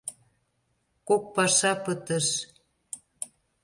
Кок паша пытыш.